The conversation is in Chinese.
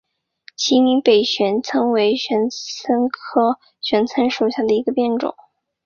秦岭北玄参为玄参科玄参属下的一个变种。